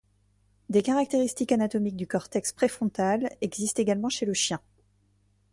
Des caractéristiques anatomiques du cortex préfrontal existent également chez le chien.